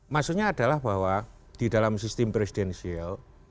maksudnya adalah bahwa di dalam sistem presidensial